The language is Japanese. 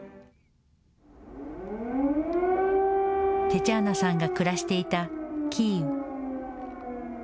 テチャーナさんが暮らしていたキーウ。